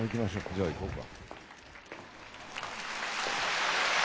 じゃあ行こうか。